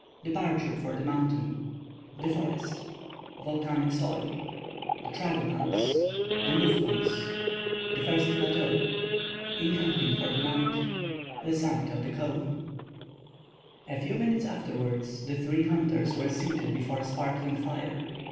—DEPARTURE FOR THE MOUNTAIN—THE FOREST—VOLCANIC SOIL—THE TRAGOPANS—THE MOUFFLONS —THE FIRST PLATEAU—ENCAMPING FOR THE NIGHT—THE SUMMIT OF THE CONE A few minutes afterwards, the three hunters were seated before a sparkling fire.